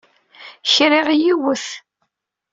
Kriɣ yiwet.